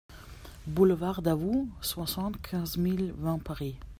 Boulevard Davout, soixante-quinze mille vingt Paris